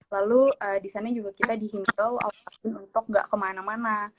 lalu di sana juga kita dihindau alat alat untuk gak kemana mana